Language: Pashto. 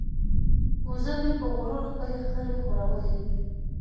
وزه مې په غرور خپلې ښکرې ښوروي.